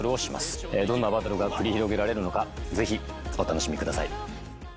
どんなバトルが繰り広げられるのかぜひお楽しみください。